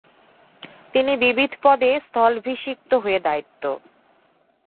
তিনি বিবিধ পদে স্থলিভিশিক্ত হয়ে দায়িত্ব